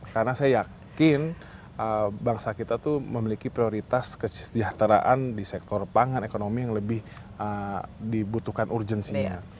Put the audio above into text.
karena saya yakin bangsa kita itu memiliki prioritas kesejahteraan di sektor pangan ekonomi yang lebih dibutuhkan urgensinya